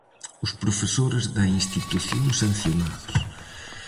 Os profesores da institución sancionados.